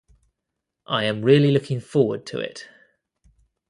I am really looking forward to it.